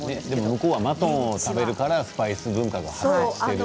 向こうはマトンを食べるからスパイス文化